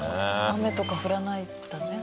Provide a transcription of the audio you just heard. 雨とか降らないんだね。